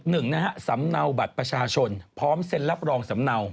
หนึ่งนะฮะสำเนาบัตรประชาชนพร้อมเซ็นรับรองสำเนา